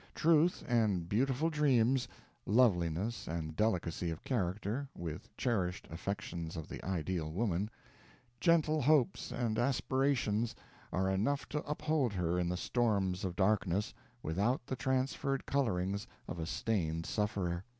Truth, and beautiful dreams loveliness, and delicacy of character, with cherished affections of the ideal woman gentle hopes and aspirations, are enough to uphold her in the storms of darkness, without the transferred colorings of a stained sufferer.